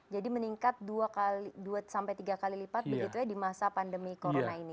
jadi meningkat dua tiga kali lipat di masa pandemi corona ini